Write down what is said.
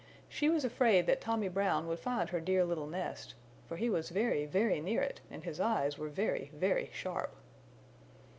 She was afraid that Tommy Brown would find her dear little nest, for he was very, very near it, and his eyes were very, very sharp.